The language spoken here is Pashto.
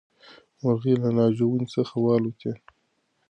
مرغۍ له ناجو ونې څخه والوتې.